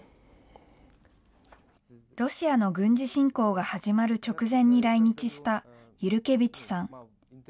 ロシアの軍事侵攻が始まる直前に来日したユルケヴィチさん。